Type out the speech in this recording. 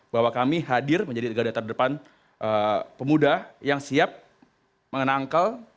bahwa kami hadir menjadi negara terdepan pemuda yang siap mengenangkal